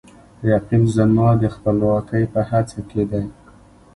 رقیب زما د خپلواکۍ په هڅه کې دی